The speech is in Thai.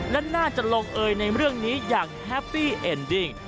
และน่าจะลงเอยในเรื่องนี้อย่างแฮปปี้เอ็นดิ้ง